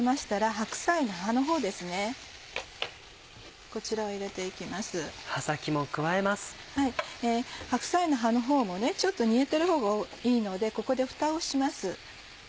白菜の葉のほうもちょっと煮えてるほうがいいのでここでふたをします。